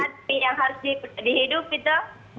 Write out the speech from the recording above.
karena hati yang harus dihidup itu